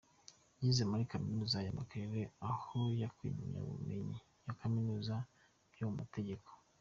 Yize muri Kaminuza ya Makerere aho yakuye impamyabumenyi ya Kaminuza mu by’amategeko.